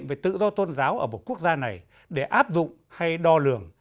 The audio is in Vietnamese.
về tự do tôn giáo ở một quốc gia này để áp dụng hay đo lường